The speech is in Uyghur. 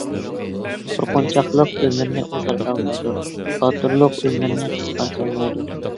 قورقۇنچاقلىق ئۆمۈرنى ئۇزارتالمايدۇ، باتۇرلۇق ئۆمۈرنى قىسقار تالمايدۇ.